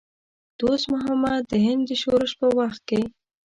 دوست محمد د هند د شورش په وخت کې.